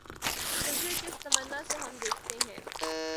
تجھے کس تمنا سے ہم دیکھتے ہیں